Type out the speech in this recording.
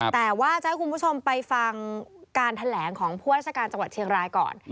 แต่ว่าจะให้คุณผู้ชมไปฟังการแถลงของผู้ราชการจังหวัดเชียงรายก่อน